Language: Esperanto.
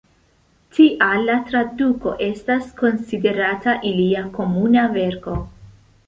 Tial la traduko estas konsiderata ilia komuna verko.